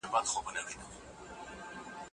ایا ستا استاد پرون پوهنتون ته راغلی و؟